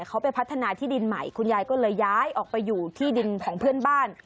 เขาไปพัฒนาที่ดินใหม่คุณยายก็เลยย้ายออกไปอยู่ที่ดินของเพื่อนบ้าน